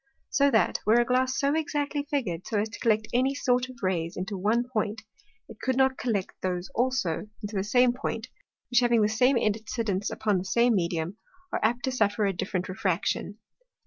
So that, were a Glass so exactly figur'd, so as to collect any one sort of Rays into one Point, it could not collect those also into the same Point, which having the same Incidence upon the same Medium, are apt to suffer a different Refraction.